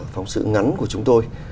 phóng sự ngắn của chúng tôi